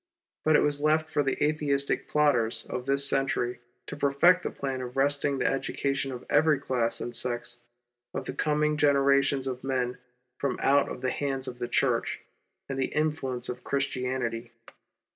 But it was left for the Atheistic plotters of this century to perfect the plan of wresting the education of every class and sex of the coming generations of men from out of the hands of the Church, and the influence of Christianity.